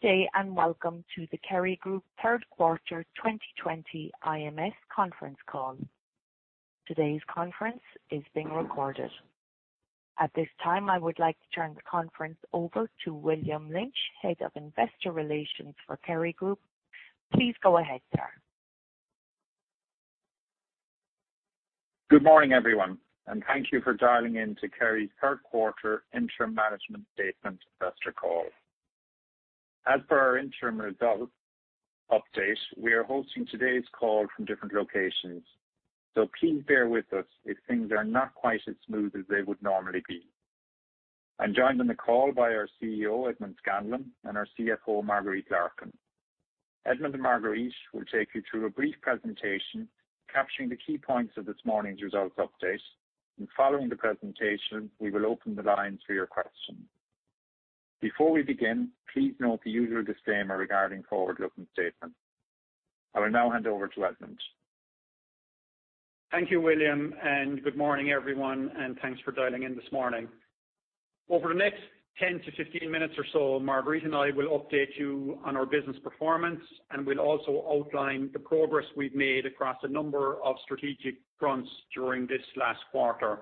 Good day, and welcome to the Kerry Group third quarter 2020 IMS conference call. Today's conference is being recorded. At this time, I would like to turn the conference over to William Lynch, Head of Investor Relations for Kerry Group. Please go ahead, sir. Good morning, everyone, and thank you for dialing in to Kerry's third quarter interim management statement investor call. As for our interim results update, we are hosting today's call from different locations, so please bear with us if things are not quite as smooth as they would normally be. I'm joined on the call by our CEO, Edmond Scanlon, and our CFO, Marguerite Larkin. Edmond and Marguerite will take you through a brief presentation capturing the key points of this morning's results update. Following the presentation, we will open the lines for your questions. Before we begin, please note the usual disclaimer regarding forward-looking statements. I will now hand over to Edmond. Thank you, William, and good morning, everyone, and thanks for dialing in this morning. Over the next 10 to 15 minutes or so, Marguerite and I will update you on our business performance, and we'll also outline the progress we've made across a number of strategic fronts during this last quarter.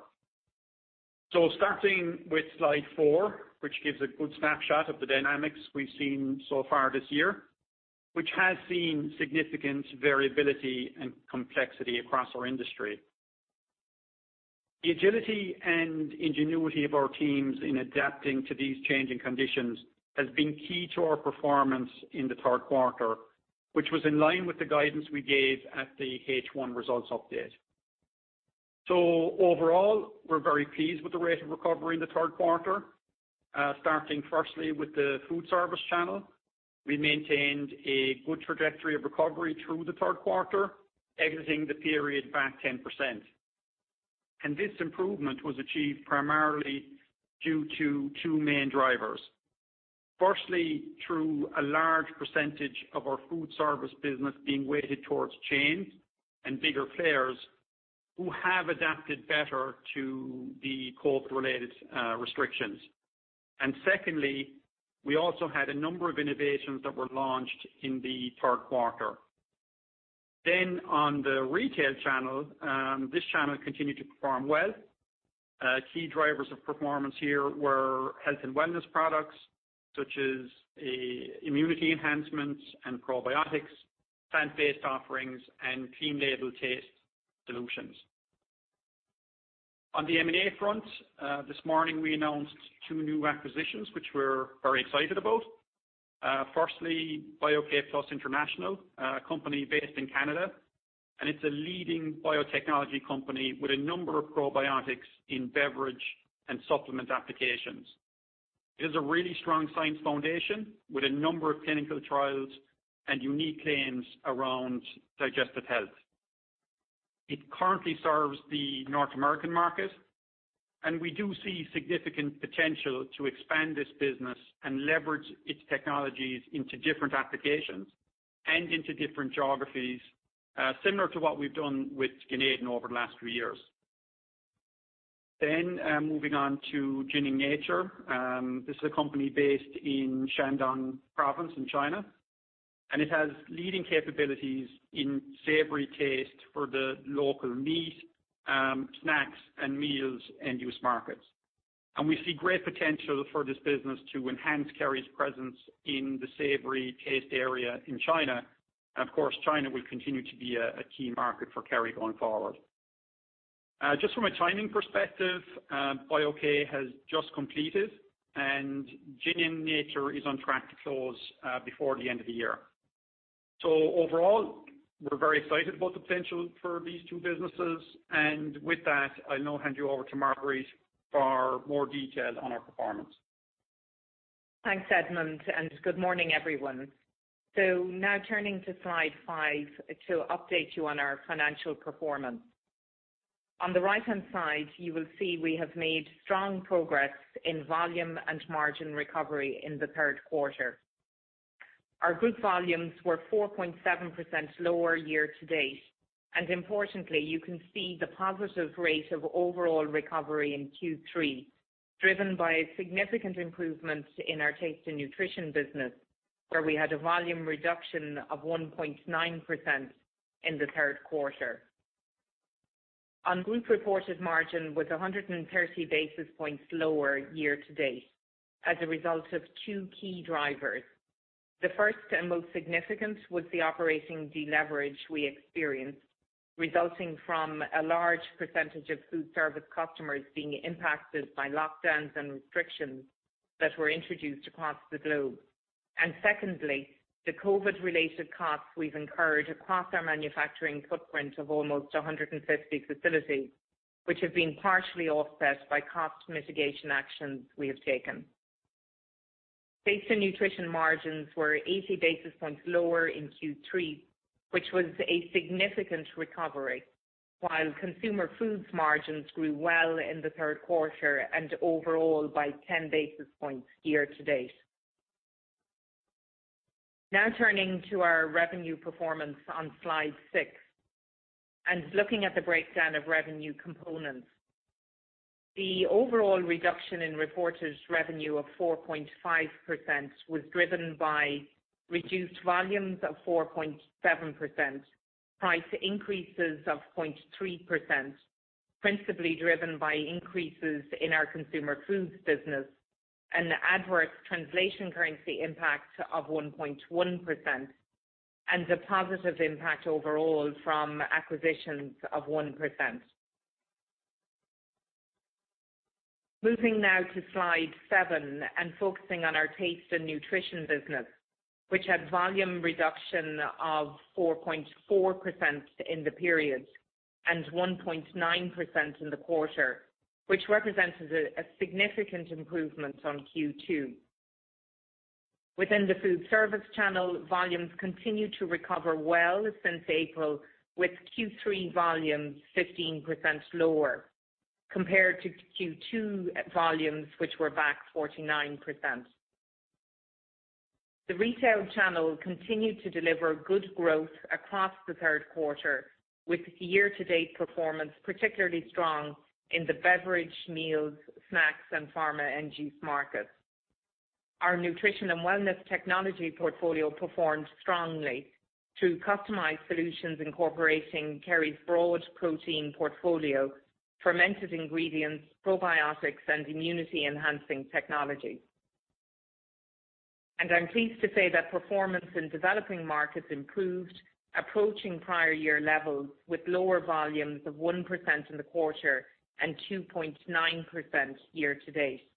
Starting with slide four, which gives a good snapshot of the dynamics we've seen so far this year, which has seen significant variability and complexity across our industry. The agility and ingenuity of our teams in adapting to these changing conditions has been key to our performance in the third quarter, which was in line with the guidance we gave at the H1 results update. Overall, we're very pleased with the rate of recovery in the third quarter. Starting firstly with the food service channel. We maintained a good trajectory of recovery through the third quarter, exiting the period back 10%. This improvement was achieved primarily due to two main drivers. Firstly, through a large percentage of our food service business being weighted towards chains and bigger players who have adapted better to the COVID related restrictions. Secondly, we also had a number of innovations that were launched in the third quarter. On the retail channel, this channel continued to perform well. Key drivers of performance here were health and wellness products such as immunity enhancements and probiotics, plant-based offerings, and clean label taste solutions. On the M&A front, this morning we announced two new acquisitions which we're very excited about. Firstly, Bio-K+ International, a company based in Canada. It's a leading biotechnology company with a number of probiotics in beverage and supplement applications. It has a really strong science foundation with a number of clinical trials and unique claims around digestive health. It currently serves the North American market, and we do see significant potential to expand this business and leverage its technologies into different applications and into different geographies, similar to what we've done with Ganeden over the last three years. Moving on to Jining Nature. This is a company based in Shandong province in China, and it has leading capabilities in savory taste for the local meat, snacks, and meals end-use markets. We see great potential for this business to enhance Kerry's presence in the savory taste area in China. Of course, China will continue to be a key market for Kerry going forward. Just from a timing perspective, Bio-K has just completed, and Jining Nature is on track to close before the end of the year. Overall, we're very excited about the potential for these two businesses. With that, I'll now hand you over to Marguerite for more details on our performance. Thanks, Edmond. Good morning, everyone. Now turning to slide five to update you on our financial performance. On the right-hand side, you will see we have made strong progress in volume and margin recovery in the third quarter. Our group volumes were 4.7% lower year to date. Importantly, you can see the positive rate of overall recovery in Q3, driven by significant improvements in our Taste & Nutrition business, where we had a volume reduction of 1.9% in the third quarter. On group reported margin was 130 basis points lower year to date as a result of two key drivers. The first and most significant was the operating deleverage we experienced, resulting from a large percentage of food service customers being impacted by lockdowns and restrictions that were introduced across the globe. Secondly, the COVID related costs we've incurred across our manufacturing footprint of almost 150 facilities, which have been partially offset by cost mitigation actions we have taken. Taste & Nutrition margins were 80 basis points lower in Q3, which was a significant recovery, while Consumer Foods margins grew well in the third quarter and overall by 10 basis points year-to-date. Turning to our revenue performance on slide six and looking at the breakdown of revenue components. The overall reduction in reported revenue of 4.5% was driven by reduced volumes of 4.7%, price increases of 0.3%, principally driven by increases in our Consumer Foods business, an adverse translation currency impact of 1.1%, and a positive impact overall from acquisitions of 1%. Moving now to slide seven, focusing on our Taste & Nutrition business, which had volume reduction of 4.4% in the period and 1.9% in the quarter, which represents a significant improvement on Q2. Within the food service channel, volumes continue to recover well since April, with Q3 volumes 15% lower compared to Q2 volumes, which were back 49%. The retail channel continued to deliver good growth across the third quarter, with year-to-date performance particularly strong in the beverage, meals, snacks, and pharma end-use markets. Our nutrition and wellness technology portfolio performed strongly through customized solutions incorporating Kerry's broad protein portfolio, fermented ingredients, probiotics, and immunity enhancing technologies. I'm pleased to say that performance in developing markets improved, approaching prior year levels with lower volumes of 1% in the quarter and 2.9% year-to-date.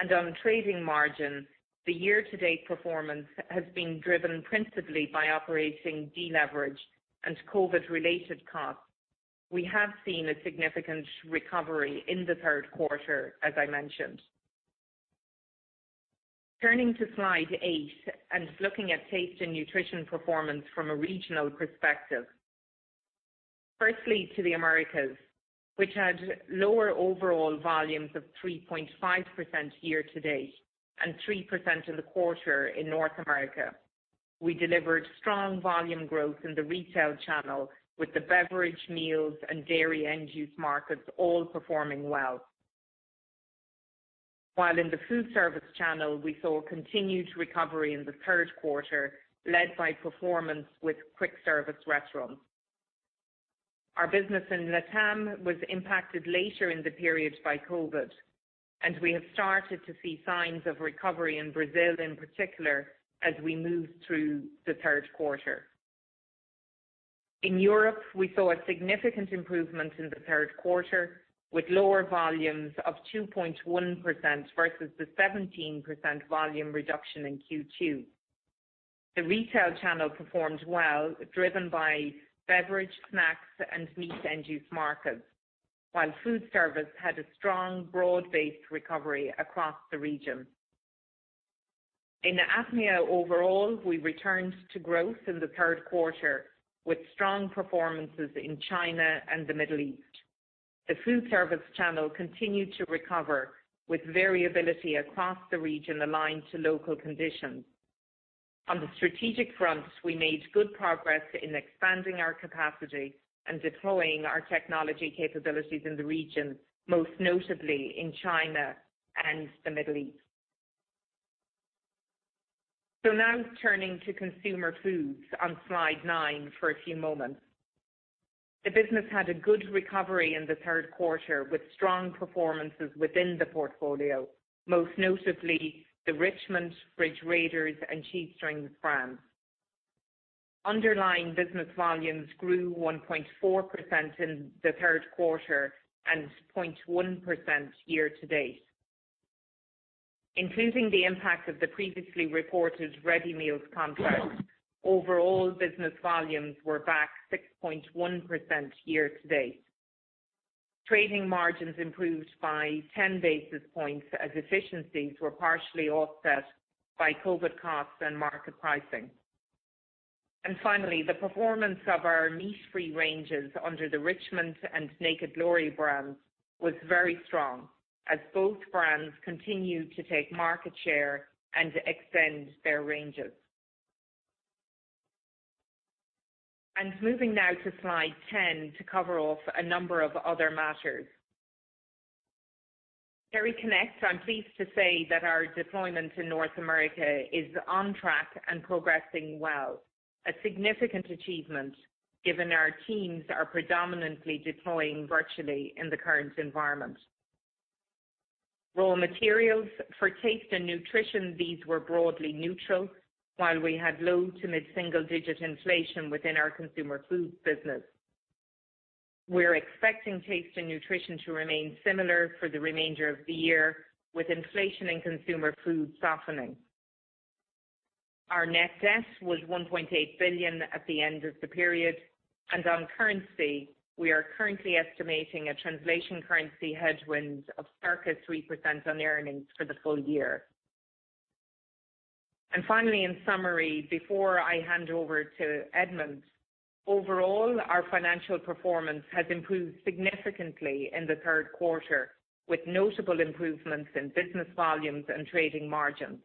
On trading margins, the year-to-date performance has been driven principally by operating deleverage and COVID-related costs. We have seen a significant recovery in the third quarter, as I mentioned. Turning to slide eight and looking at Taste & Nutrition performance from a regional perspective. Firstly, to the Americas, which had lower overall volumes of 3.5% year-to-date and 3% in the quarter in North America. We delivered strong volume growth in the retail channel with the beverage, meals, and dairy end-use markets all performing well. While in the foodservice channel, we saw continued recovery in the third quarter, led by performance with quick service restaurants. Our business in LATAM was impacted later in the period by COVID, and we have started to see signs of recovery in Brazil in particular, as we moved through the third quarter. In Europe, we saw a significant improvement in the third quarter with lower volumes of 2.1% versus the 17% volume reduction in Q2. The retail channel performed well, driven by beverage, snacks, and meat end-use markets, while food service had a strong, broad-based recovery across the region. In APMEA overall, we returned to growth in the third quarter with strong performances in China and the Middle East. The food service channel continued to recover, with variability across the region aligned to local conditions. On the strategic front, we made good progress in expanding our capacity and deploying our technology capabilities in the region, most notably in China and the Middle East. Now turning to Consumer Foods on slide nine for a few moments. The business had a good recovery in the third quarter with strong performances within the portfolio, most notably the Richmond, Fridge Raiders, and Cheestrings brands. Underlying business volumes grew 1.4% in the third quarter and 0.1% year-to-date. Including the impact of the previously reported ready meals contract, overall business volumes were back 6.1% year-to-date. Trading margins improved by 10 basis points as efficiencies were partially offset by COVID costs and market pricing. Finally, the performance of our meat-free ranges under the Richmond and Naked Glory brands was very strong as both brands continued to take market share and extend their ranges. Moving now to slide 10 to cover off a number of other matters. KerryConnect, I'm pleased to say that our deployment in North America is on track and progressing well. A significant achievement given our teams are predominantly deploying virtually in the current environment. Raw materials for Taste & Nutrition, these were broadly neutral. While we had low to mid-single digit inflation within our Consumer Foods business. We're expecting Taste & Nutrition to remain similar for the remainder of the year, with inflation in Consumer Foods softening. Our net debt was 1.8 billion at the end of the period. On currency, we are currently estimating a translation currency headwind of circa 3% on earnings for the full year. Finally, in summary, before I hand over to Edmond, overall, our financial performance has improved significantly in the third quarter, with notable improvements in business volumes and trading margins.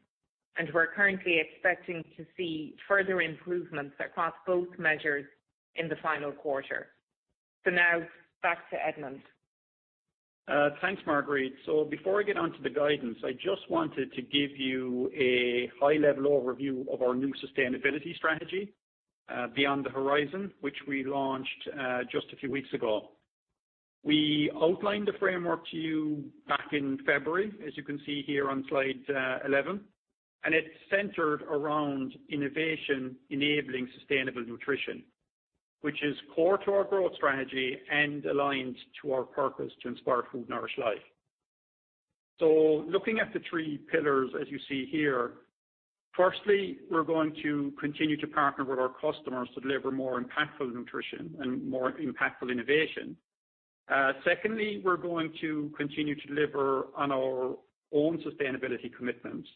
We're currently expecting to see further improvements across both measures in the final quarter. Now back to Edmond. Thanks, Marguerite. Before I get onto the guidance, I just wanted to give you a high-level overview of our new sustainability strategy, Beyond the Horizon, which we launched just a few weeks ago. We outlined the framework to you back in February, as you can see here on slide 11. It's centered around innovation enabling sustainable nutrition, which is core to our growth strategy and aligns to our purpose to inspire food, nourish life. Looking at the three pillars, as you see here, firstly, we're going to continue to partner with our customers to deliver more impactful nutrition and more impactful innovation. Secondly, we're going to continue to deliver on our own sustainability commitments.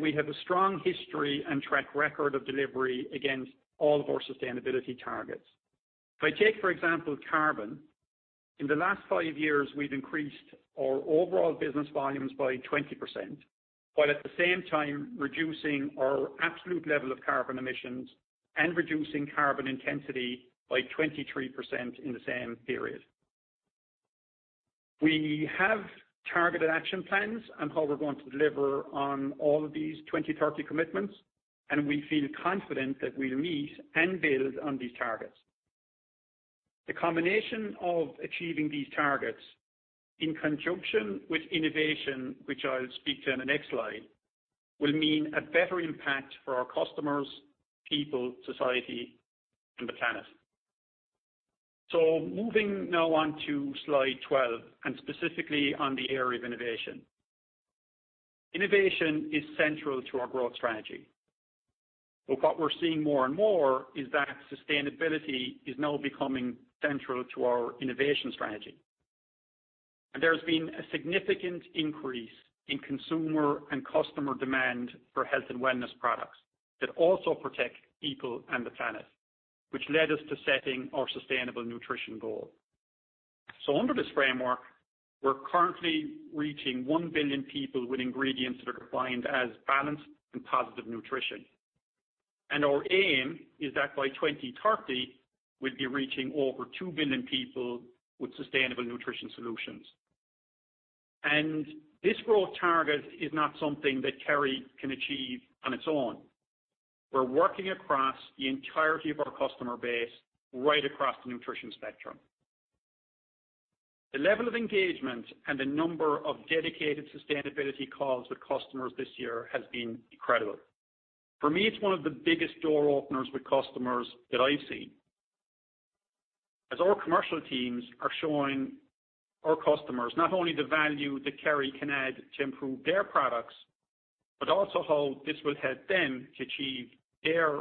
We have a strong history and track record of delivery against all of our sustainability targets. If I take, for example, carbon, in the last five years, we've increased our overall business volumes by 20%, while at the same time reducing our absolute level of carbon emissions and reducing carbon intensity by 23% in the same period. We have targeted action plans on how we're going to deliver on all of these 2030 commitments, and we feel confident that we'll meet and build on these targets. The combination of achieving these targets in conjunction with innovation, which I'll speak to on the next slide, will mean a better impact for our customers, people, society, and the planet. Moving now on to slide 12, and specifically on the area of innovation. Innovation is central to our growth strategy. What we're seeing more and more is that sustainability is now becoming central to our innovation strategy. There's been a significant increase in consumer and customer demand for health and wellness products that also protect people and the planet, which led us to setting our sustainable nutrition goal. Under this framework, we're currently reaching 1 billion people with ingredients that are defined as balanced and positive nutrition. Our aim is that by 2030, we'll be reaching over 2 billion people with sustainable nutrition solutions. This growth target is not something that Kerry can achieve on its own. We're working across the entirety of our customer base right across the nutrition spectrum. The level of engagement and the number of dedicated sustainability calls with customers this year has been incredible. For me, it's one of the biggest door openers with customers that I've seen, as our commercial teams are showing our customers not only the value that Kerry can add to improve their products, but also how this will help them to achieve their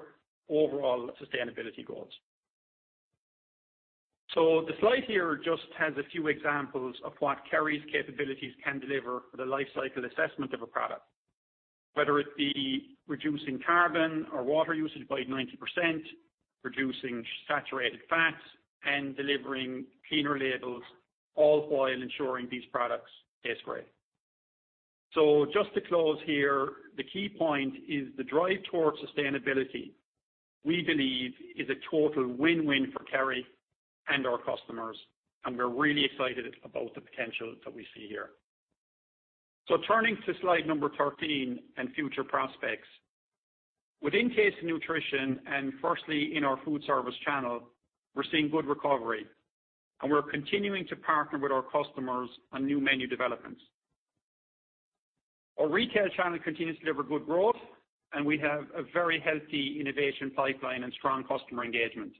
overall sustainability goals. The slide here just has a few examples of what Kerry's capabilities can deliver for the life cycle assessment of a product, whether it be reducing carbon or water usage by 90%, reducing saturated fats, and delivering cleaner labels, all while ensuring these products taste great. Just to close here, the key point is the drive towards sustainability, we believe is a total win-win for Kerry and our customers, and we're really excited about the potential that we see here. Turning to slide number 13 and future prospects. Within Taste & Nutrition, firstly in our food service channel, we're seeing good recovery, and we're continuing to partner with our customers on new menu developments. Our retail channel continues to deliver good growth, and we have a very healthy innovation pipeline and strong customer engagement.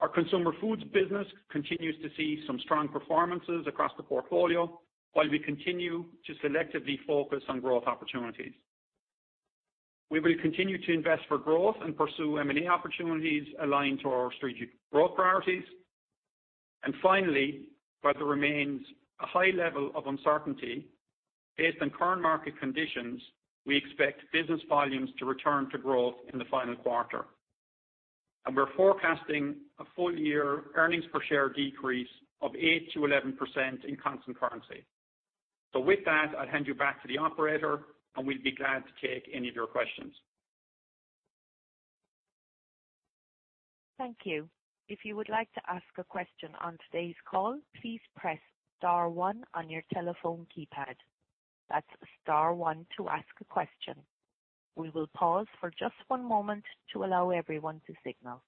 Our Consumer Foods business continues to see some strong performances across the portfolio while we continue to selectively focus on growth opportunities. We will continue to invest for growth and pursue M&A opportunities aligned to our strategic growth priorities. Finally, while there remains a high level of uncertainty, based on current market conditions, we expect business volumes to return to growth in the final quarter. We're forecasting a full-year earnings per share decrease of 8%-11% in constant currency. With that, I'll hand you back to the operator, and we'll be glad to take any of your questions. Thank you. If you would like to ask a question on today's call, please press star one on your telephone keypad. That's star one to ask a question. We will pause for just one moment to allow everyone to signal.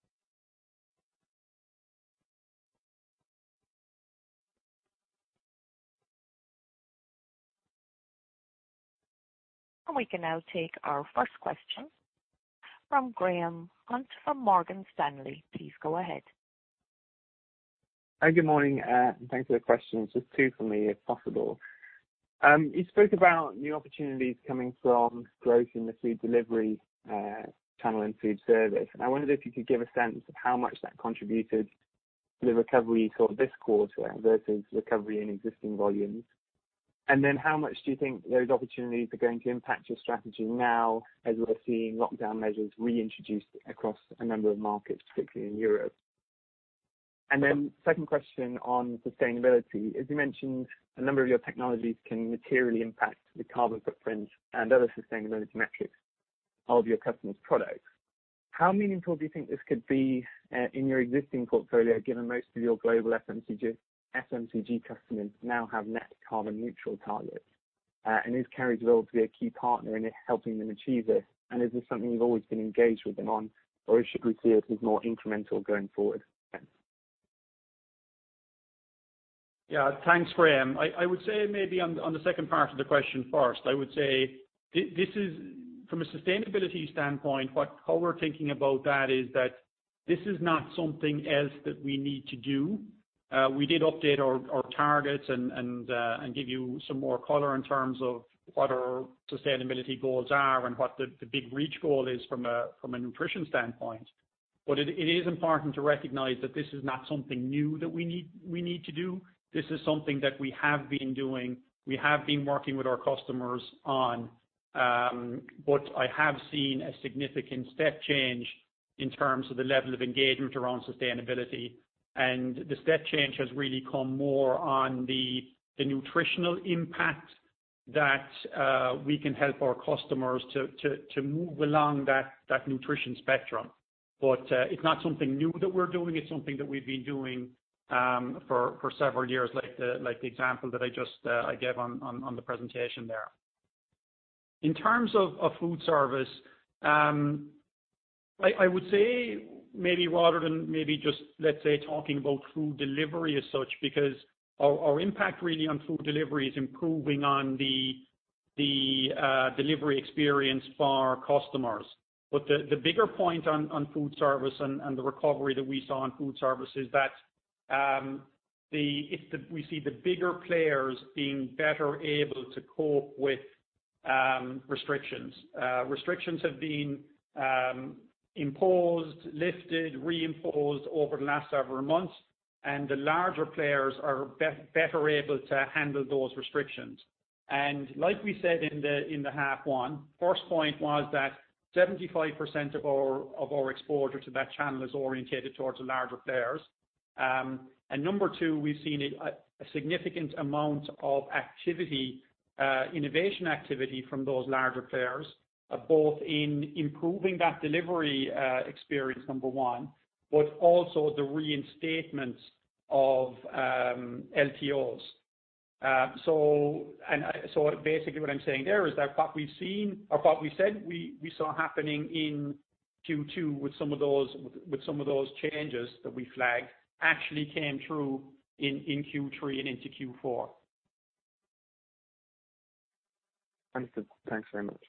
We can now take our first question from Graham Hunt from Morgan Stanley. Please go ahead. Hi, good morning, and thanks for the questions. Just two for me, if possible. You spoke about new opportunities coming from growth in the food delivery channel and food service. I wondered if you could give a sense of how much that contributed to the recovery sort of this quarter versus recovery in existing volumes. How much do you think those opportunities are going to impact your strategy now as we're seeing lockdown measures reintroduced across a number of markets, particularly in Europe? Second question on sustainability. As you mentioned, a number of your technologies can materially impact the carbon footprint and other sustainability metrics of your customers' products. How meaningful do you think this could be, in your existing portfolio, given most of your global FMCG customers now have net carbon neutral targets? Is Kerry developed to be a key partner in helping them achieve this? Is this something you've always been engaged with them on, or should we see it as more incremental going forward? Yeah. Thanks, Graham. I would say maybe on the second part of the question first. I would say from a sustainability standpoint, how we're thinking about that is that this is not something else that we need to do. We did update our targets and give you some more color in terms of what our sustainability goals are and what the big reach goal is from a nutrition standpoint. It is important to recognize that this is not something new that we need to do. This is something that we have been doing, we have been working with our customers on. I have seen a significant step change in terms of the level of engagement around sustainability, and the step change has really come more on the nutritional impact that we can help our customers to move along that nutrition spectrum. It's not something new that we're doing. It's something that we've been doing for several years, like the example that I just gave on the presentation there. In terms of food service, I would say maybe rather than maybe just, let's say, talking about food delivery as such, because our impact really on food delivery is improving on the delivery experience for our customers. The bigger point on food service and the recovery that we saw in food service is that we see the bigger players being better able to cope with restrictions. Restrictions have been imposed, lifted, re-imposed over the last several months, and the larger players are better able to handle those restrictions. Like we said in the half one, first point was that 75% of our exposure to that channel is orientated towards the larger players. Number two, we've seen a significant amount of innovation activity from those larger players, both in improving that delivery experience, number one, but also the reinstatements of LTOs. Basically what I'm saying there is that what we said we saw happening in Q2 with some of those changes that we flagged actually came through in Q3 and into Q4. Understood. Thanks very much.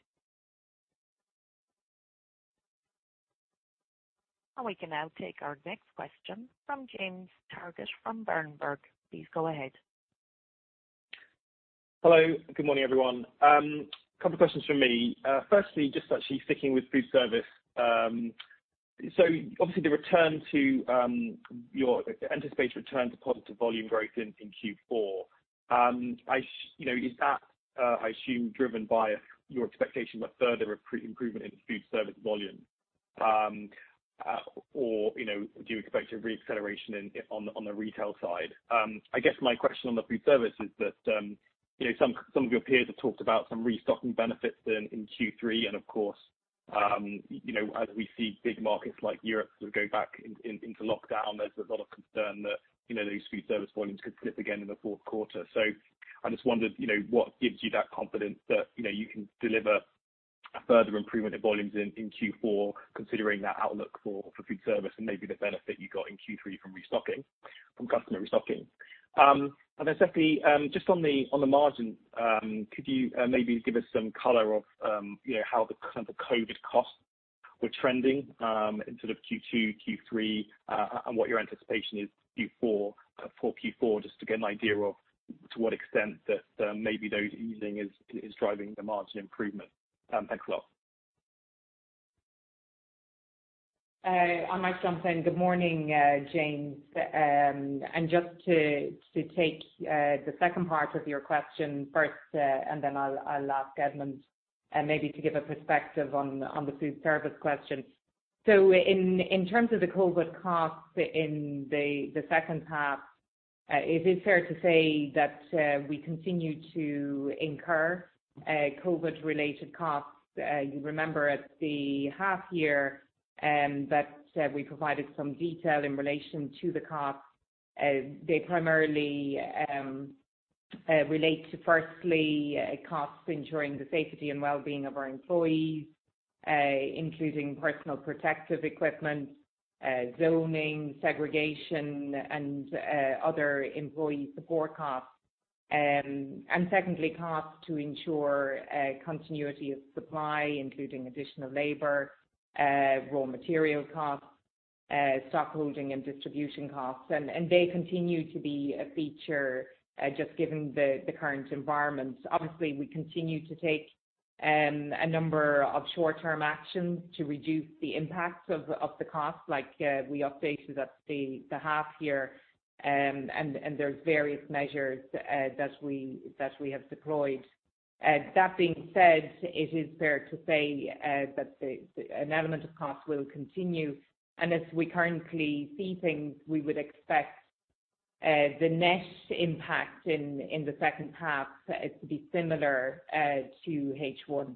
We can now take our next question from James Targett from Berenberg. Please go ahead. Hello. Good morning, everyone. Couple questions from me. Firstly, just actually sticking with food service. Obviously, the anticipated return to positive volume growth in Q4, is that, I assume, driven by your expectation that further improvement in food service volume? Do you expect a re-acceleration on the retail side? I guess my question on the food service is that some of your peers have talked about some restocking benefits in Q3, and of course, as we see big markets like Europe sort of go back into lockdown, there's a lot of concern that those food service volumes could slip again in the fourth quarter. I just wondered what gives you that confidence that you can deliver a further improvement in volumes in Q4, considering that outlook for food service and maybe the benefit you got in Q3 from customer restocking. Secondly, just on the margin, could you maybe give us some color of how the kind of the COVID costs were trending in sort of Q2, Q3, and what your anticipation is for Q4, just to get an idea of to what extent that maybe those easing is driving the margin improvement? Thanks a lot. I might jump in. Good morning, James. Just to take the second part of your question first, and then I'll ask Edmond maybe to give a perspective on the food service question. In terms of the COVID costs in the second half, it is fair to say that we continue to incur COVID-related costs. You remember at the half year that we provided some detail in relation to the costs. They primarily relate to, firstly, costs ensuring the safety and wellbeing of our employees, including personal protective equipment, zoning, segregation, and other employee support costs. Secondly, costs to ensure continuity of supply, including additional labor, raw material costs, stock holding and distribution costs. They continue to be a feature just given the current environment. Obviously, we continue to take a number of short-term actions to reduce the impact of the costs, like we updated at the half year. There's various measures that we have deployed. That being said, it is fair to say that an element of cost will continue, and as we currently see things, we would expect the net impact in the second half to be similar to H1.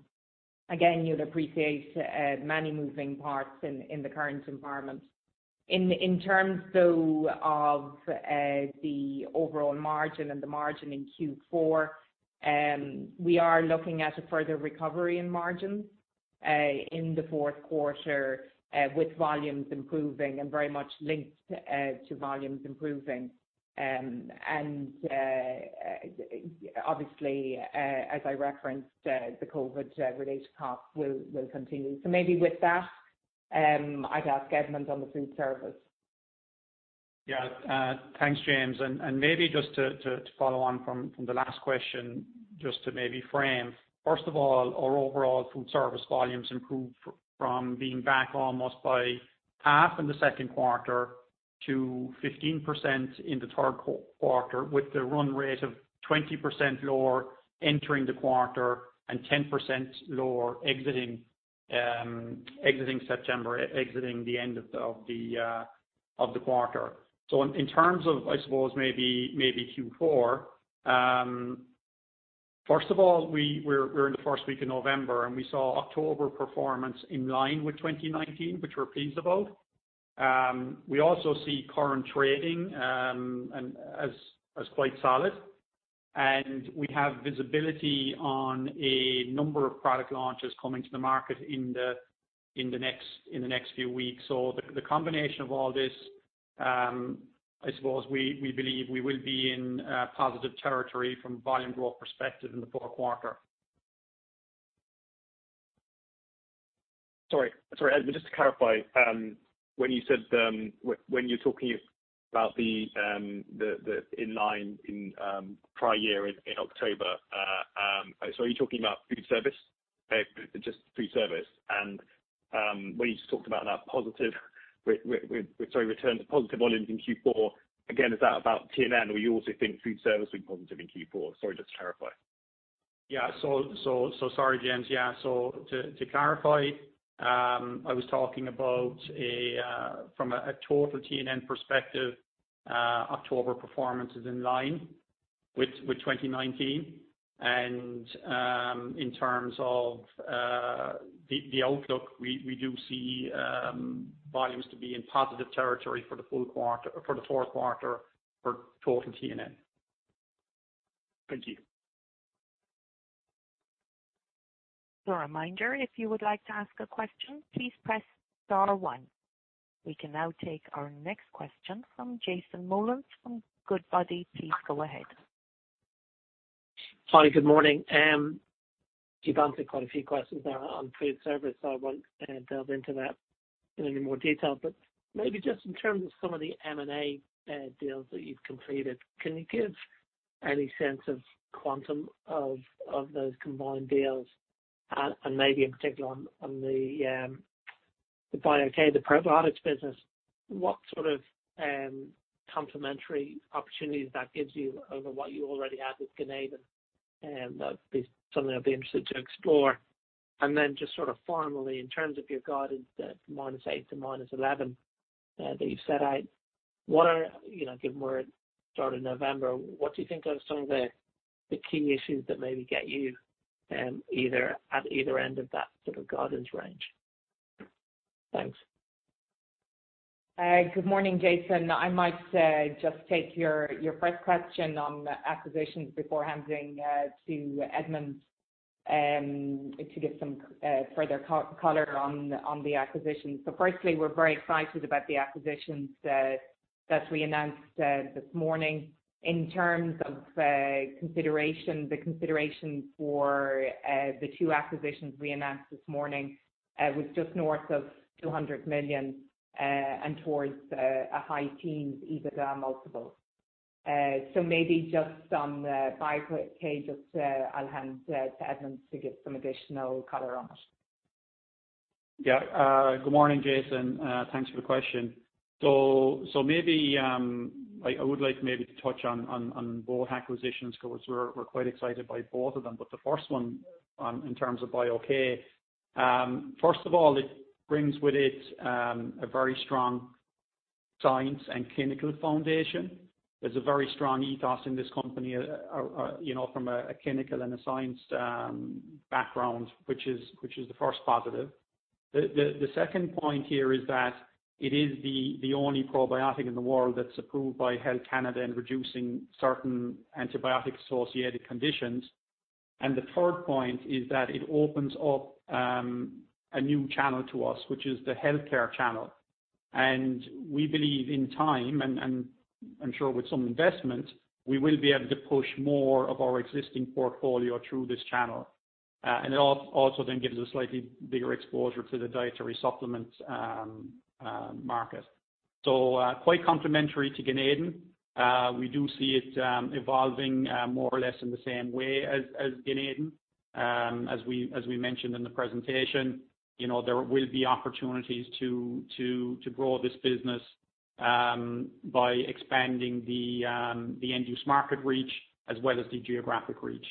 You'll appreciate there are many moving parts in the current environment. In terms, though, of the overall margin and the margin in Q4, we are looking at a further recovery in margins in the fourth quarter, with volumes improving and very much linked to volumes improving. Obviously, as I referenced, the COVID-related costs will continue. Maybe with that, I'd ask Edmond on the food service. Thanks, James. Maybe just to follow on from the last question, just to maybe frame. First of all, our overall food service volumes improved from being back almost by half in the second quarter to 15% in the third quarter, with a run rate of 20% lower entering the quarter and 10% lower exiting September, exiting the end of the quarter. In terms of, I suppose, maybe Q4, first of all, we're in the first week of November, and we saw October performance in line with 2019, which we're pleased about. We also see current trading as quite solid, and we have visibility on a number of product launches coming to the market in the next few weeks. The combination of all this, I suppose we believe we will be in positive territory from a volume growth perspective in the fourth quarter. Sorry, Edmond, just to clarify, when you're talking about the in line in the prior year in October, are you talking about food service? Just food service? When you talked about positive volumes in Q4, again, is that about T&N, or you also think food service will be positive in Q4? Sorry, just to clarify. Sorry, James. To clarify, I was talking about from a total T&N perspective, October performance is in line with 2019. In terms of the outlook, we do see volumes to be in positive territory for the full quarter, for the fourth quarter for total T&N. Thank you. A reminder, if you would like to ask a question, please press star one. We can now take our next question from Jason Molins from Goodbody. Please go ahead. Hi. Good morning. You've answered quite a few questions there on food service, I won't delve into that in any more detail. Maybe just in terms of some of the M&A deals that you've completed, can you give any sense of the quantum of those combined deals and maybe in particular on the Bio-K, the probiotics business, what sort of complementary opportunities that gives you over what you already had with Ganeden? That would be something I'd be interested to explore. Just sort of formally, in terms of your guidance, the -8 to -11 that you've set out, given we're at the start of November, what do you think are some of the key issues that maybe get you at either end of that sort of guidance range? Thanks. Good morning, Jason. I might just take your first question on the acquisitions before handing to Edmond to give some further color on the acquisitions. Firstly, we're very excited about the acquisitions that we announced this morning. In terms of the consideration for the two acquisitions we announced this morning, was just north of $200 million and towards a high teens EBITDA multiple. Maybe just on the Bio-K, just I'll hand to Edmond to give some additional color on it. Good morning, Jason Molins. Thanks for the question. I would like to touch on both acquisitions, because we're quite excited by both of them. The first one, in terms of Bio-K, first of all, it brings with it a very strong science and clinical foundation. The second point here is that it is the only probiotic in the world that's approved by Health Canada in reducing certain antibiotic-associated conditions. The third point is that it opens up a new channel to us, which is the healthcare channel. We believe in time, and I'm sure with some investment, we will be able to push more of our existing portfolio through this channel. It also gives a slightly bigger exposure to the dietary supplements market. Quite complementary to Ganeden. We do see it evolving more or less in the same way as Ganeden. As we mentioned in the presentation, there will be opportunities to grow this business by expanding the end-use market reach as well as the geographic reach.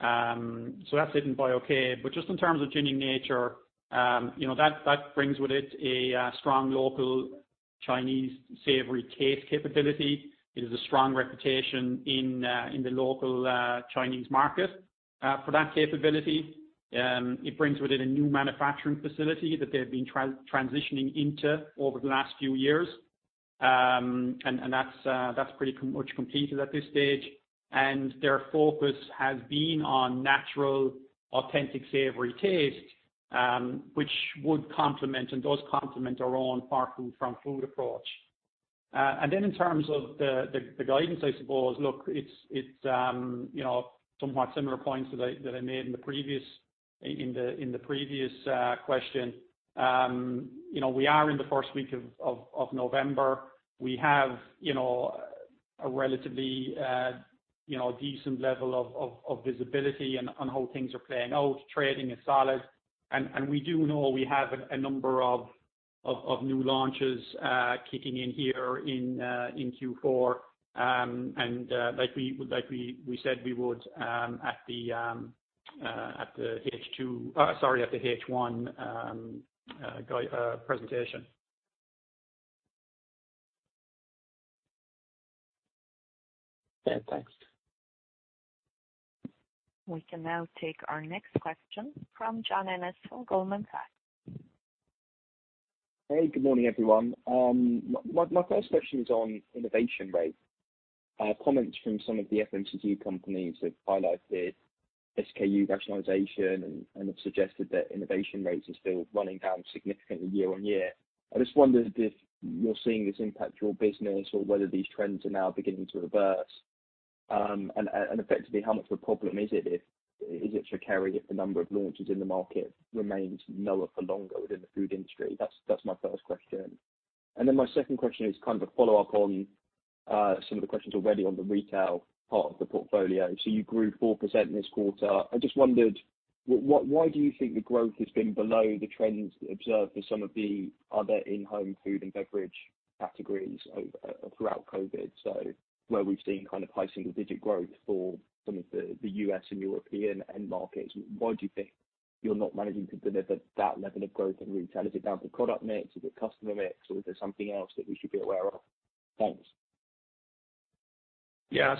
That's hidden by Bio-K. Just in terms of Jining Nature, that brings with it a strong local Chinese savory taste capability. It has a strong reputation in the local Chinese market for that capability. It brings with it a new manufacturing facility that they've been transitioning into over the last few years. That's pretty much completed at this stage, and their focus has been on natural, authentic, savory taste, which would complement and does complement our own farm to food approach. In terms of the guidance, I suppose, look, it's somewhat similar points that I made in the previous question. We are in the first week of November. We have a relatively decent level of visibility on how things are playing out. Trading is solid, and we do know we have a number of new launches kicking in here in Q4. Like we said we would at the H1 presentation. Yeah, thanks. We can now take our next question from John Ennis from Goldman Sachs. Hey, good morning, everyone. My first question is on innovation rate. Comments from some of the FMCG companies have highlighted SKU rationalization and have suggested that innovation rates are still running down significantly year-on-year. I just wondered if you're seeing this impact your business or whether these trends are now beginning to reverse. Effectively, how much of a problem is it for Kerry if the number of launches in the market remains lower for longer within the food industry? That's my first question. Then my second question is kind of a follow-up on some of the questions already on the retail part of the portfolio. You grew 4% this quarter. I just wondered, why do you think the growth has been below the trends observed for some of the other in-home food and beverage categories throughout COVID? Where we've seen kind of high single-digit growth for some of the U.S. and European end markets, why do you think you're not managing to deliver that level of growth in retail? Is it down to product mix, is it customer mix, or is there something else that we should be aware of? Thanks. Yeah.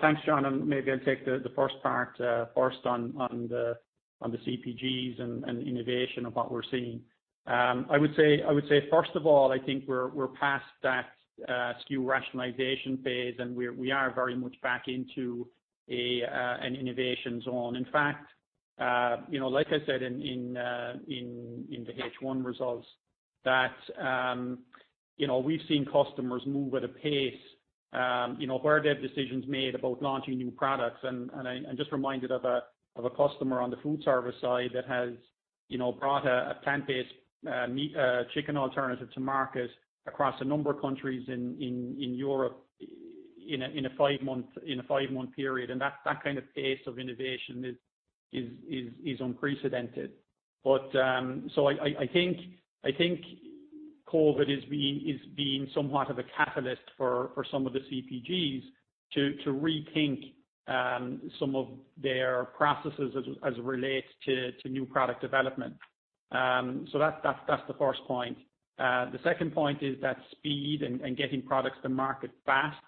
Thanks, John. Maybe I'll take the first part first on the CPGs and innovation of what we're seeing. I would say, first of all, I think we're past that SKU rationalization phase, and we are very much back into an innovation zone. In fact, like I said in the H1 results, that we've seen customers move at a pace, where they have decisions made about launching new products. I'm just reminded of a customer on the food service side that has brought a plant-based meat, chicken alternative to market across a number of countries in Europe in a five-month period. That kind of pace of innovation is unprecedented. I think COVID is being somewhat of a catalyst for some of the CPGs to rethink some of their processes as it relates to new product development. That's the first point. The second point is that speed and getting products to market fast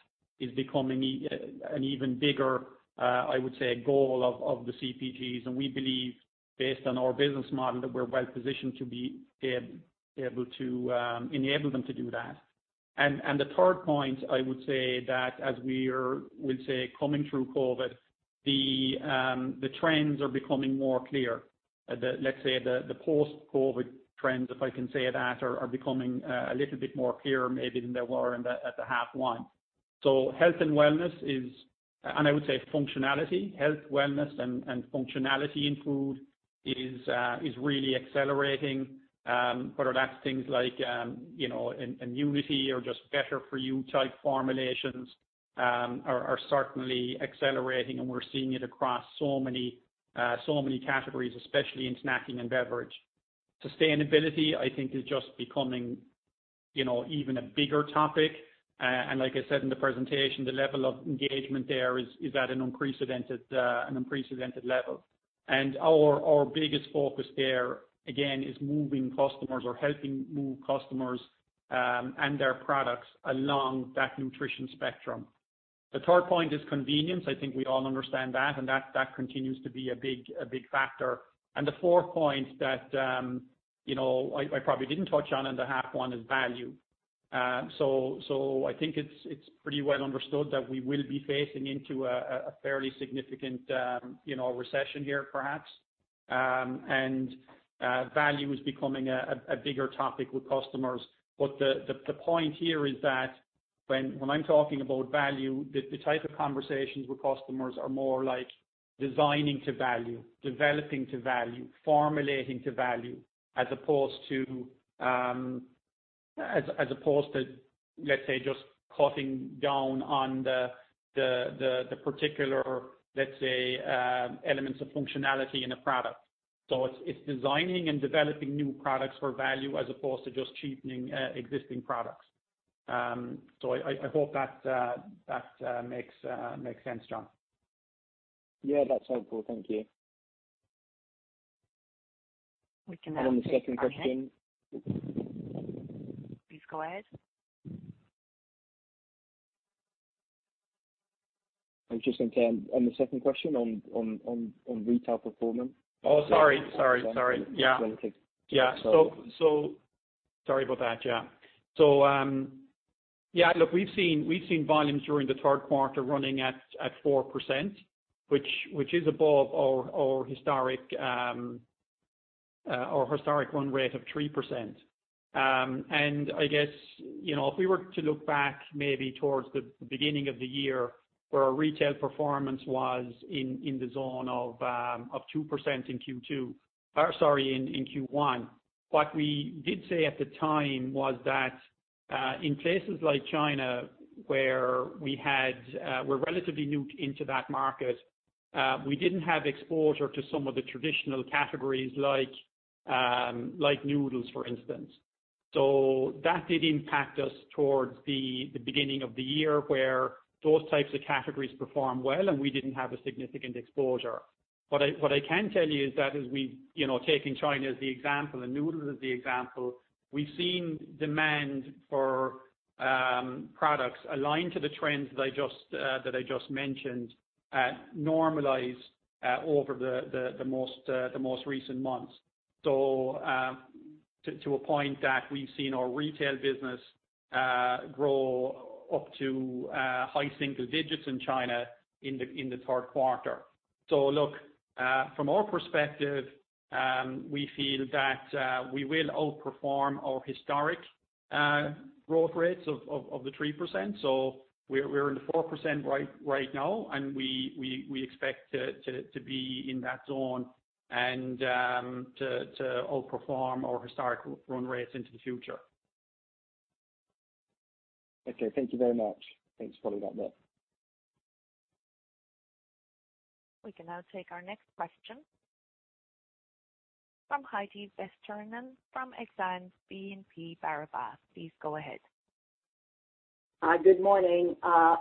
is becoming an even bigger, I would say, goal of the CPGs. We believe, based on our business model, that we're well positioned to be able to enable them to do that. The third point, I would say that as we are, we'll say, coming through COVID, the trends are becoming more clear. Let's say the post-COVID trends, if I can say it, are becoming a little bit more clear maybe than they were in the at the half one. Health and wellness is, and I would say functionality, health, wellness, and functionality in food is really accelerating. Whether that's things like immunity or just better-for-you type formulations are certainly accelerating, and we're seeing it across so many categories, especially in snacking and beverage. Sustainability, I think, is just becoming even a bigger topic. Like I said in the presentation, the level of engagement there is at an unprecedented level. Our biggest focus there, again, is moving customers or helping move customers and their products along that nutrition spectrum. The third point is convenience. I think we all understand that, and that continues to be a big factor. The fourth point that I probably didn't touch on in the half one is value. I think it's pretty well understood that we will be facing into a fairly significant recession here, perhaps. Value is becoming a bigger topic with customers. The point here is that when I'm talking about value, the type of conversations with customers are more like designing to value, developing to value, formulating to value, as opposed to, let's say, just cutting down on the particular, let's say, elements of functionality in a product. It's designing and developing new products for value as opposed to just cheapening existing products. I hope that makes sense, John. Yeah, that's helpful. Thank you. We can now take our next- On the second question. Please go ahead. On the second question on retail performance. Oh, sorry. Yeah. Okay. Sorry about that. Yeah, look, we've seen volumes during the third quarter running at 4%, which is above our historic run rate of 3%. I guess, if we were to look back maybe towards the beginning of the year where our retail performance was in the zone of 2% in Q2, or sorry, in Q1, what we did say at the time was that in places like China, where we're relatively new into that market, we didn't have exposure to some of the traditional categories like noodles, for instance. That did impact us towards the beginning of the year, where those types of categories performed well, and we didn't have a significant exposure. What I can tell you is that taking China as the example and noodles as the example, we've seen demand for products aligned to the trends that I just mentioned normalize over the most recent months. To a point that we've seen our retail business grow up to high single digits in China in the third quarter. Look, from our perspective, we feel that we will outperform our historic growth rates of the 3%. We're in the 4% right now, and we expect to be in that zone and to outperform our historic run rates into the future. Okay. Thank you very much. Thanks for all that. We can now take our next question from Heidi Vesterinen from Exane BNP Paribas. Please go ahead. Good morning.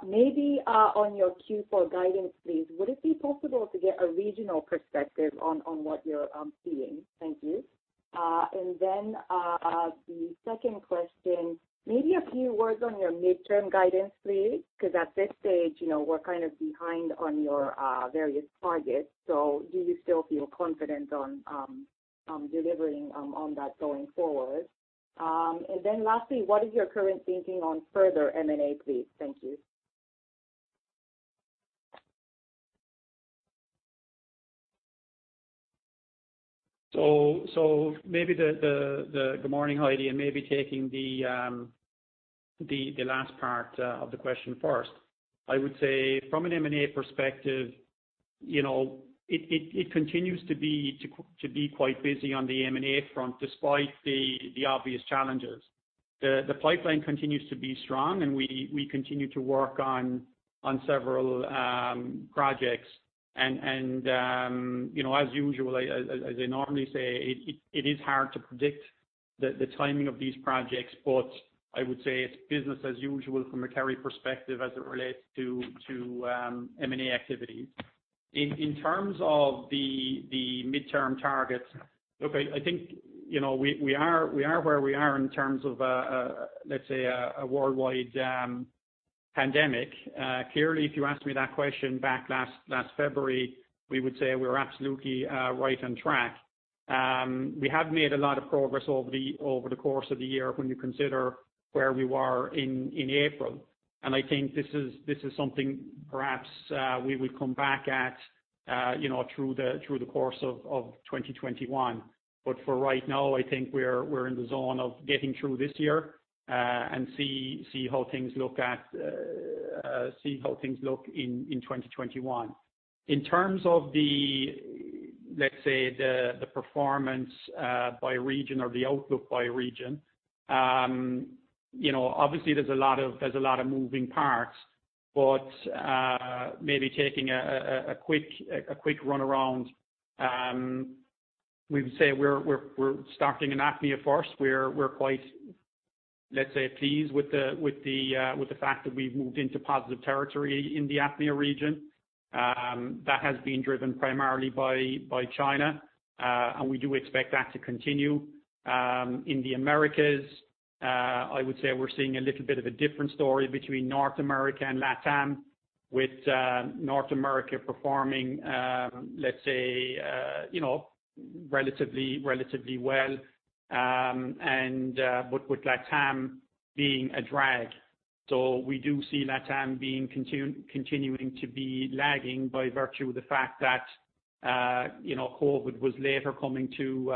Maybe on your Q4 guidance please, would it be possible to get a regional perspective on what you're seeing? Thank you. The second question, maybe a few words on your midterm guidance, please, because at this stage, we're kind of behind on your various targets. Do you still feel confident on delivering on that going forward? Lastly, what is your current thinking on further M&A, please? Thank you. Good morning, Heidi. Maybe taking the last part of the question first. I would say from an M&A perspective, it continues to be quite busy on the M&A front despite the obvious challenges. The pipeline continues to be strong, and we continue to work on several projects. As usual, as I normally say, it is hard to predict the timing of these projects, but I would say it's business as usual from a Kerry perspective as it relates to M&A activity. In terms of the midterm targets. Look, I think we are where we are in terms of, let's say, a worldwide pandemic. Clearly, if you asked me that question back last February, we would say we were absolutely right on track. We have made a lot of progress over the course of the year when you consider where we were in April. I think this is something perhaps we will come back at through the course of 2021. For right now, I think we're in the zone of getting through this year, and see how things look in 2021. In terms of the, let's say, the performance by region or the outlook by region. Obviously there's a lot of moving parts, but maybe taking a quick runaround. We would say we're starting in APMEA first, we're quite, let's say, pleased with the fact that we've moved into positive territory in the EMEA region. That has been driven primarily by China. We do expect that to continue. In the Americas, I would say we're seeing a little bit of a different story between North America and LATAM, with North America performing, let's say, relatively well. With LATAM being a drag. We do see LATAM continuing to be lagging by virtue of the fact that COVID was later coming to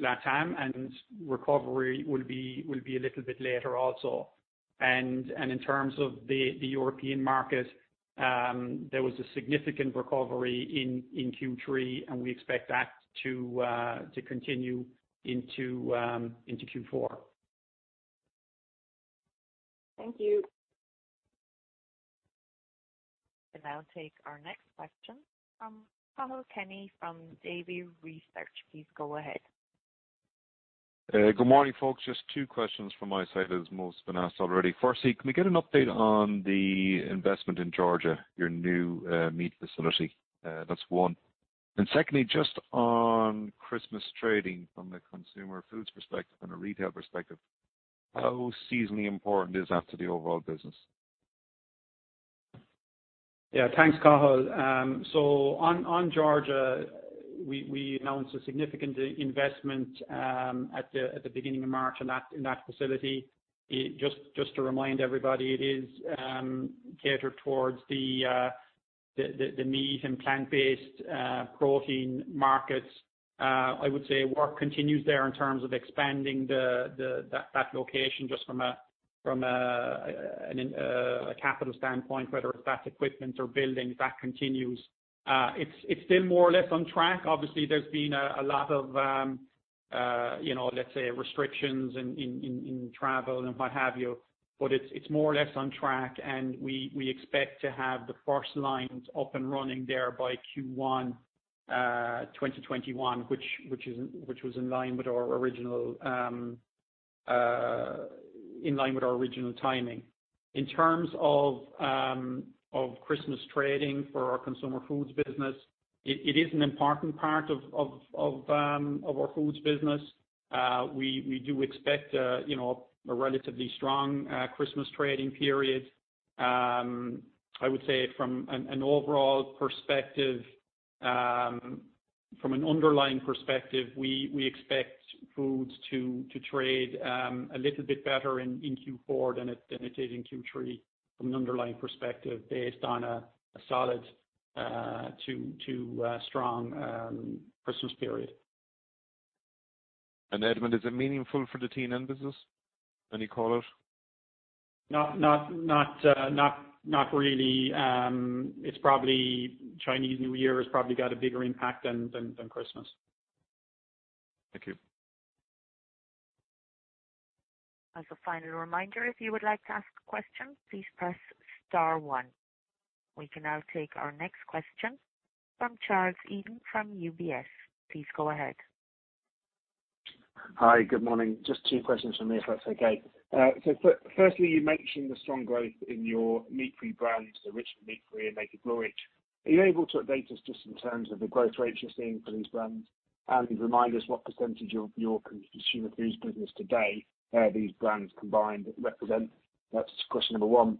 LATAM, and recovery will be a little bit later also. In terms of the European market, there was a significant recovery in Q3, and we expect that to continue into Q4. Thank you. We will now take our next question from Cathal Kenny from Davy Research. Please go ahead. Good morning, folks. Just two questions from my side as most have been asked already. Firstly, can we get an update on the investment in Georgia, your new meat facility? That's one. Secondly, just on Christmas trading from the Consumer Foods perspective and a retail perspective, how seasonally important is that to the overall business? Yeah, thanks, Cathal. On Georgia, we announced a significant investment at the beginning of March in that facility. Just to remind everybody, it is catered towards the meat and plant-based protein markets. I would say work continues there in terms of expanding that location just from a capital standpoint, whether it's that equipment or building, that continues. It's still more or less on track. Obviously, there's been a lot of, let's say, restrictions in travel and what have you, but it's more or less on track, and we expect to have the first lines up and running there by Q1 2021, which was in line with our original timing. In terms of Christmas trading for our Consumer Foods business, it is an important part of our Foods business. We do expect a relatively strong Christmas trading period. I would say from an overall perspective, from an underlying perspective, we expect Consumer Foods to trade a little bit better in Q4 than it did in Q3 from an underlying perspective based on a solid to strong Christmas period. Edmond, is it meaningful for the T&N business, any call out? Not really. Chinese New Year has probably got a bigger impact than Christmas. Thank you. As a final reminder, if you would like to ask a question, please press star one. We can now take our next question from Charles Eden from UBS. Please go ahead. Hi, good morning. Just two questions from me, if that's okay. Firstly, you mentioned the strong growth in your meat-free brands, Originally Meat Free and Naked Glory. Are you able to update us just in terms of the growth rates you're seeing for these brands? Remind us what % of your Consumer Foods business today these brands combined represent. That's question number one.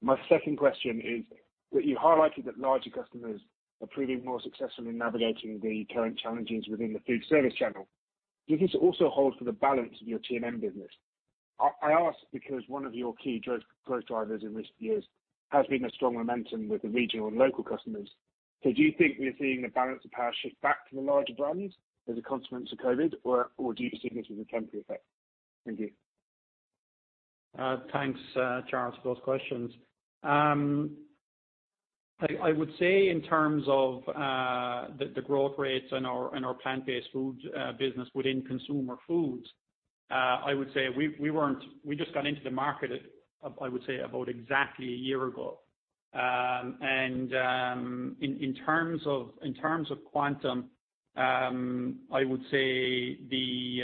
My second question is that you highlighted that larger customers are proving more successful in navigating the current challenges within the food service channel. Do you think this also holds for the balance of your T&M business? I ask because one of your key growth drivers in recent years has been a strong momentum with the regional and local customers. Do you think we're seeing the balance of power shift back to the larger brands as a consequence of COVID, or do you see this as a temporary effect? Thank you. Thanks, Charles, for those questions. I would say in terms of the growth rates in our plant-based food business within Consumer Foods, I would say we just got into the market, I would say about exactly a year ago. In terms of quantum, I would say the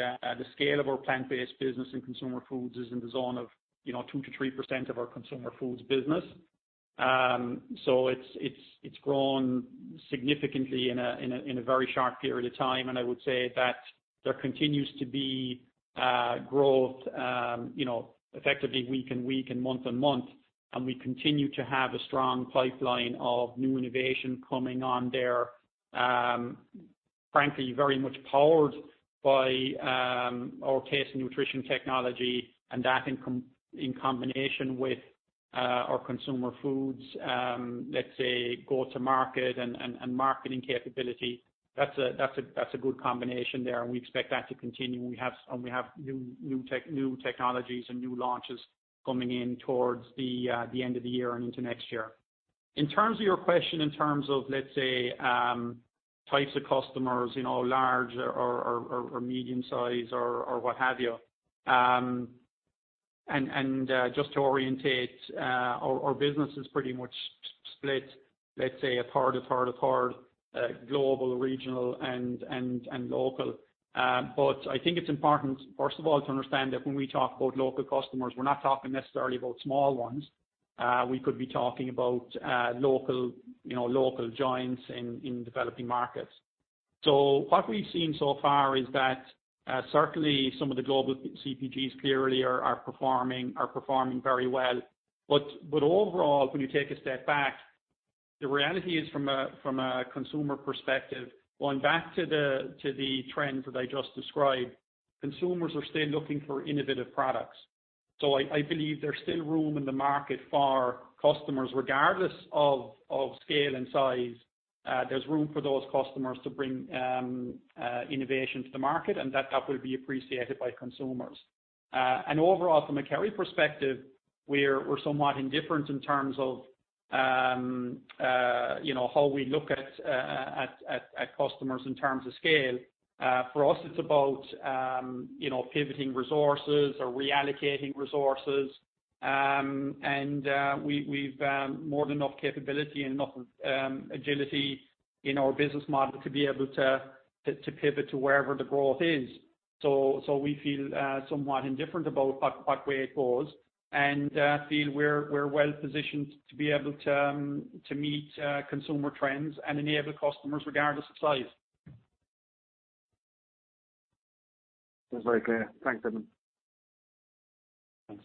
scale of our plant-based business in Consumer Foods is in the zone of 2%-3% of our Consumer Foods business. It's grown significantly in a very short period of time, and I would say that there continues to be growth effectively week on week and month on month, and we continue to have a strong pipeline of new innovation coming on there, frankly, very much powered by our Taste & Nutrition technology and that in combination with our Consumer Foods, let's say, go to market and marketing capability. That's a good combination there, and we expect that to continue. We have new technologies and new launches coming in towards the end of the year and into next year. In terms of your question in terms of, let's say, types of customers large or medium size or what have you, just to orientate our business is pretty much split, let's say a third, a third, a third global, regional, and local. I think it's important, first of all, to understand that when we talk about local customers, we're not talking necessarily about small ones. We could be talking about local giants in developing markets. What we've seen so far is that certainly some of the global CPGs clearly are performing very well. Overall, when you take a step back, the reality is from a consumer perspective, going back to the trends that I just described, consumers are still looking for innovative products. I believe there's still room in the market for customers, regardless of scale and size. There's room for those customers to bring innovation to the market, and that will be appreciated by consumers. Overall, from a Kerry perspective, we're somewhat indifferent in terms of how we look at customers in terms of scale. For us, it's about pivoting resources or reallocating resources. We've more than enough capability and enough agility in our business model to be able to pivot to wherever the growth is. We feel somewhat indifferent about what way it goes and feel we're well positioned to be able to meet consumer trends and enable customers regardless of size. That's very clear. Thanks, Edmond. Thanks.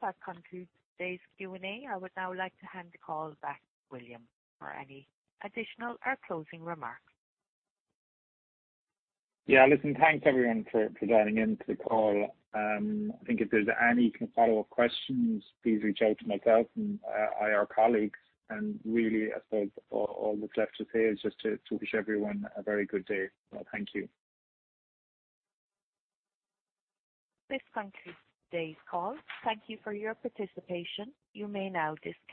That concludes today's Q&A. I would now like to hand the call back to William for any additional or closing remarks. Yeah, listen, thanks, everyone, for dialing in to the call. I think if there's any follow-up questions, please reach out to myself and our colleagues. Really, I suppose all that's left to say is just to wish everyone a very good day. Thank you. This concludes today's call. Thank you for your participation. You may now disconnect.